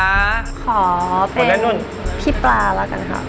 ขอเป็นพี่ปลาแล้วกันค่ะ